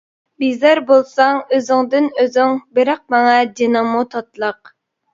بىزار بولساڭ ئۆزۈڭدىن ئۆزۈڭ، بىراق ماڭا جېنىڭمۇ تاتلىق.